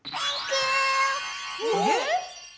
えっ？